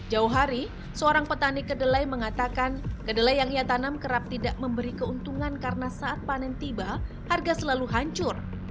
jauh hari seorang petani kedelai mengatakan kedelai yang ia tanam kerap tidak memberi keuntungan karena saat panen tiba harga selalu hancur